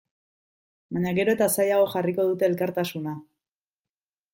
Baina gero eta zailago jarriko dute elkartasuna.